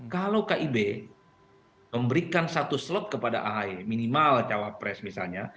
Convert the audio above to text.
kalau kib memberikan satu slot kepada ahy minimal cawapres misalnya